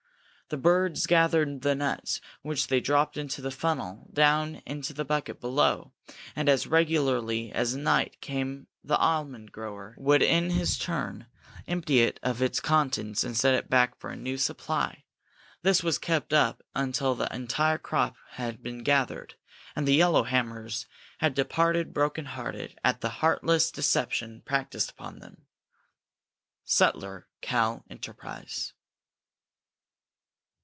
The birds gathered the nuts, which they dropped into the funnel and down into the bucket below, and as regularly as night came the almond grower would in his turn empty it of its contents and set it back for a new supply. This was kept up until the entire crop had been gathered and the yellowhammers had departed broken hearted at the heartless deception practiced upon them. _Sutler (Cal.) Enterprise.